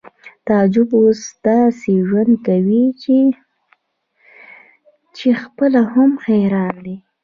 تعجب اوس داسې ژوند کوي چې خپله هم حیران دی